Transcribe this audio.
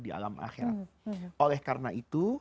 di alam akhirat oleh karena itu